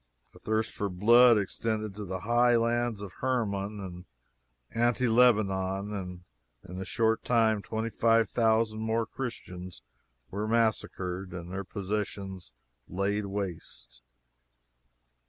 The thirst for blood extended to the high lands of Hermon and Anti Lebanon, and in a short time twenty five thousand more Christians were massacred and their possessions laid waste.